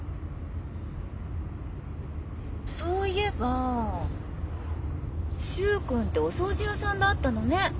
そういえば柊君ってお掃除屋さんだったのね。